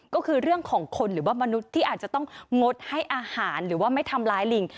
ก็คือเรื่องของคนหรือว่ามนุษย์ที่อาจจะต้องงดให้อาหารหรือว่าไม่ทำร้ายลิง